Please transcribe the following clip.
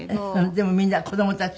でもみんな子供たち使うの？